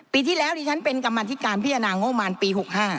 ปีที่แล้วดิฉันเป็นกรรมธิการพิจารณางบประมาณปี๖๕